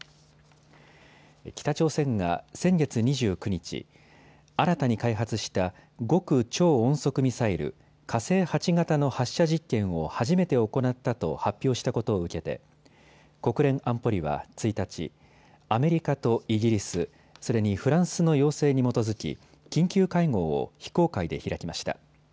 北朝鮮が先月２９日、新たに開発した極超音速ミサイル、火星８型の発射実験を初めて行ったと発表したことを受けて国連安保理は１日、アメリカとイギリス、それにフランスの要請に基づき緊急会合を非公開で開きました。